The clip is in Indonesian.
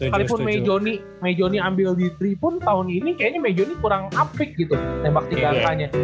kali pun meijoni meijoni ambil di tri pun tahun ini kayaknya meijoni kurang up pick gitu tembak tiga angkanya